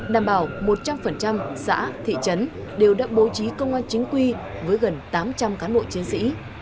đảm bảo một trăm linh xã thị trấn đều đã bố trí công an chính quy với gần tám trăm linh cán bộ chiến sĩ